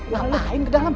ngapain ke dalam